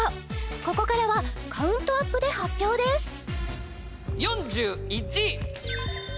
ここからはカウントアップで発表ですさあ